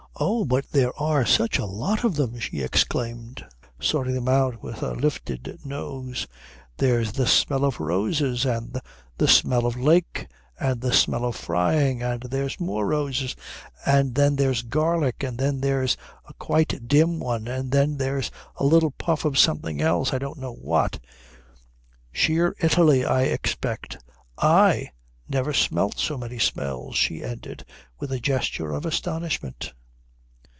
"Oh, but there are such a lot of them," she exclaimed, sorting them out with her lifted nose. "There's the smell of roses, and the smell of lake, and the smell of frying, and there's more roses, and then there's garlic, and then there's a quite dim one, and then there's a little puff of something else I don't know what sheer Italy, I expect. I never smelt so many smells," she ended, with a gesture of astonishment.